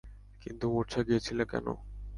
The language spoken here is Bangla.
কিন্তু মূর্ছা গিয়েছিলে কেন?